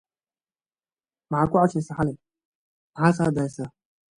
By the beginning of July both Brigades were still in this Corps.